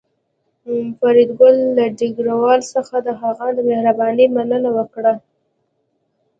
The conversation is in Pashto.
فریدګل له ډګروال څخه د هغه د مهربانۍ مننه وکړه